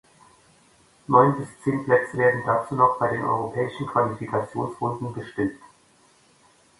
Neun bis zehn Plätze werden dazu noch bei den europäischen Qualifikationsrunden bestimmt.